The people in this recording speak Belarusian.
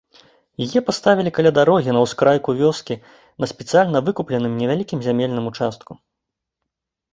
Яе паставілі каля дарогі на ўскрайку вёскі на спецыяльна выкупленым невялікім зямельным участку.